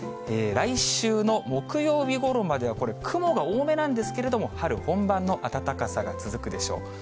来週の木曜日ごろまではこれ、雲が多めなんですけれども、春本番の暖かさが続くでしょう。